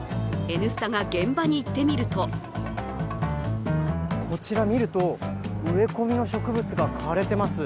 「Ｎスタ」が現場に行ってみるとこちら見ると、植え込みの植物が枯れてます。